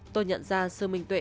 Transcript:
tôi nhận ra sư minh tuệ